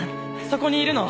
そこにいるの？